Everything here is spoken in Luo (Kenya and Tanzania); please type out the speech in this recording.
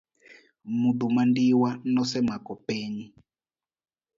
Mudho mandiwa nosemako piny.